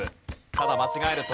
ただ間違えると。